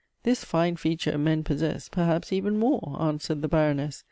" This fine feature, men possess, perhaps, even more," answered the Baroness.